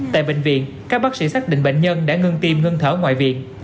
tại bệnh viện các bác sĩ xác định bệnh nhân đã ngưng tim ngưng thở ngoại viện